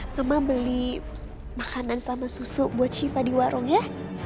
mama beli makanan sama susu buat shiva di warung ya